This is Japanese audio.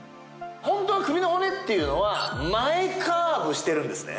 ホントは首の骨っていうのは前カーブしてるんですね。